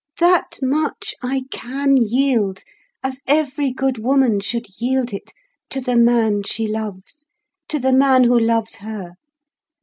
That much I can yield, as every good woman should yield it, to the man she loves, to the man who loves her.